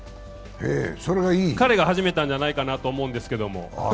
彼が始めたんじゃないかと思いますけど。